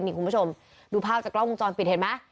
นี่คุณผู้ชมดูภาพจากกล้องวงจรปิดเห็นไหม